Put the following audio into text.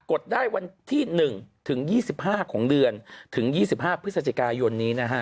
ดได้วันที่๑ถึง๒๕ของเดือนถึง๒๕พฤศจิกายนนี้นะฮะ